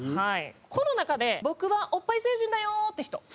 この中で僕はおっぱい星人だよって人？